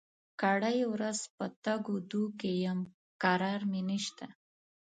کرۍ ورځ په تګ و دو کې يم؛ کرار مې نشته.